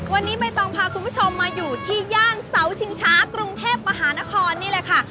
วันนี้ใบตองพาคุณผู้ชมมาอยู่ที่ย่านเสาชิงช้ากรุงเทพมหานครนี่แหละค่ะ